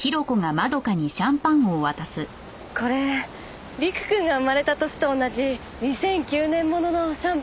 これ陸くんが生まれた年と同じ２００９年物のシャンパンです。